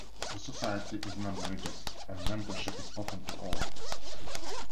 The Society is nonreligious, and membership is open to all.